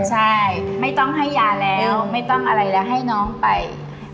ใช่ไม่ต้องให้ยาแล้วไม่ต้องอะไรแล้วให้น้องไป